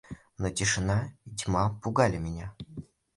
Но тишина и тьма пугали меня.